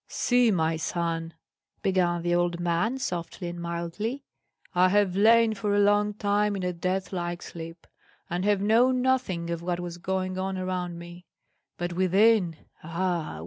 "See, my son," began the old man, softly and mildly, "I have lain for a long time in a death like sleep, and have known nothing of what was going on around me; but within, ah!